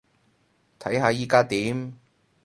睇下依加點